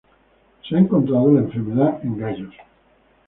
Se ha encontrado la enfermedad en gallos.